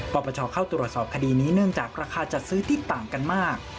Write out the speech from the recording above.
ปปชเข้าตรวจสอบคดีนี้เนื่องจากราคาจัดซื้อที่ต่างกันมาก